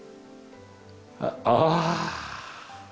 ああ。